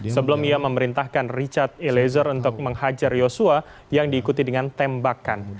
sebelum ia memerintahkan richard eliezer untuk menghajar yosua yang diikuti dengan tembakan